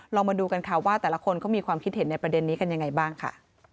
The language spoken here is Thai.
มาดูกันค่ะว่าแต่ละคนเขามีความคิดเห็นในประเด็นนี้กันยังไงบ้างค่ะ